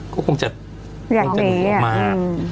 ก็คงจะเหนียวมาก